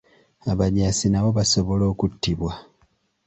Abajaasi nabo basobola okuttibwa.